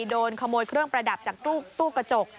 โดนขโมยเครื่องประดับจากตู้กระจก